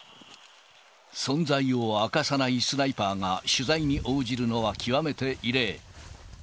存在を明かさないスナイパーが、取材に応じるのは極めて異例。